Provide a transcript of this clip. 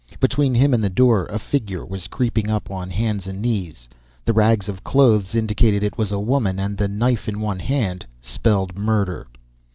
Between him and the door, a figure was creeping up on hands and knees. The rags of clothes indicated it was a woman and the knife in one hand spelled murder!